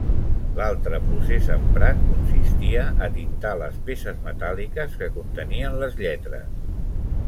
L’altre procés emprat consistia a tintar les peces metàl·liques que contenien les lletres.